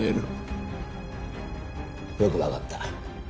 よくわかった。